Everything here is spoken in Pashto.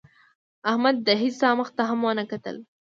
احمد د هېڅا مخ ته هم ونه کتل.